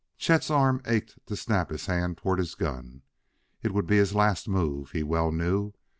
Chet's arm ached to snap his hand toward his gun. It would be his last move, he well knew.